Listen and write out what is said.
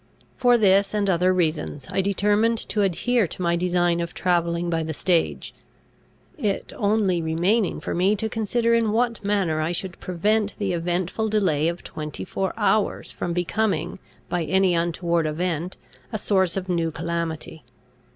For this and other reasons, I determined to adhere to my design of travelling by the stage; it only remaining for me to consider in what manner I should prevent the eventful delay of twenty four hours from becoming, by any untoward event, a source of new calamity.